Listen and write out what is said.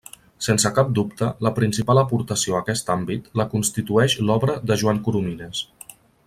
Sense cap dubte la principal aportació a aquest àmbit la constitueix l'obra de Joan Coromines.